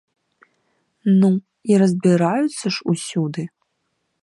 Ну, і разбіраюцца ж усюды.